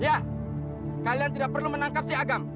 ya kalian tidak perlu menangkap si agam